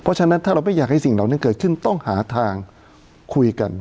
เพราะฉะนั้นถ้าเราไม่อยากให้สิ่งเหล่านั้นเกิดขึ้นต้องหาทางคุยกัน